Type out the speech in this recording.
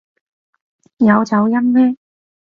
有走音咩？